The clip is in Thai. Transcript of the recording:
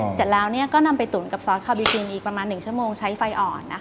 เสร็จแล้วก็นำไปตุ๋นกับซอสคาร์บีกินอีกประมาณ๑ชั่วโมงใช้ไฟอ่อน